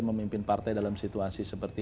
memimpin partai dalam situasi seperti